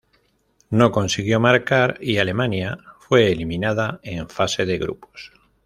No consiguió marcar y Alemania fue eliminada en fase de grupos.